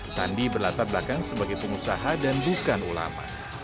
sandi berlatar belakang sebagai pengusaha dan bukan ulama